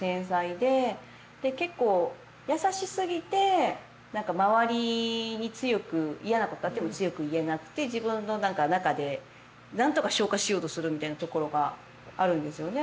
で結構優しすぎて何か周りに強く嫌なことがあっても強く言えなくて自分の中でなんとか消化しようとするみたいなところがあるんですよね